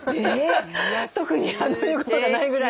特に言うことがないぐらいに。